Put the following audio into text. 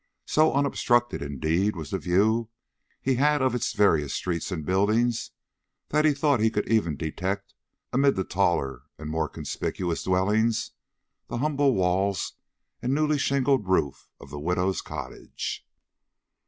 So unobstructed, indeed, was the view he had of its various streets and buildings, that he thought he could even detect, amid the taller and more conspicuous dwellings, the humble walls and newly shingled roof of the widow's cottage.